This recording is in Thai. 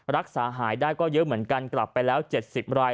รักษาหายได้ก็เยอะเหมือนกันกลับไปแล้ว๗๐ราย